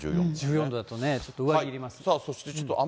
１４度だと、ちょっとね、上着いります。